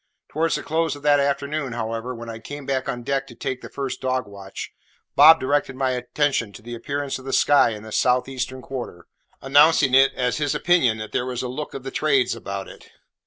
Towards the close of that afternoon, however, when I came on deck to take the first dog watch, Bob directed my attention to the appearance of the sky in the south eastern quarter, announcing it as his opinion that there was a look of the trades about it.